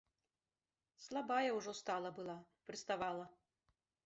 Слабая ўжо стала была, прыставала.